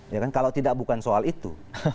ya kan kalau tidak bukan soal itu